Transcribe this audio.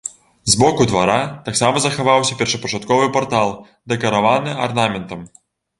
З боку двара таксама захаваўся першапачатковы партал, дэкараваны арнаментам.